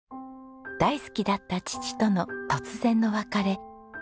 大好きだった父との突然の別れ。